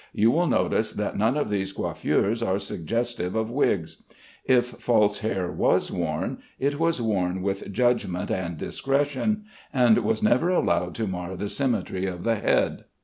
You will notice that none of these coiffures are suggestive of wigs. If false hair was worn, it was worn with judgment and discretion, and was never allowed to mar the symmetry of the head.